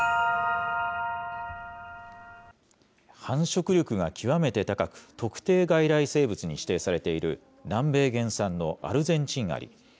繁殖力が極めて高く、特定外来生物に指定されている南米原産のアルゼンチンアリ。